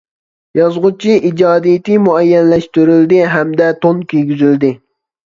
يازغۇچى ئىجادىيىتى مۇئەييەنلەشتۈرۈلدى ھەمدە تون كىيگۈزۈلدى.